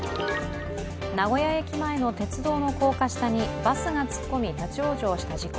名古屋駅前の鉄道の高架下にバスが突っ込み立往生した事故。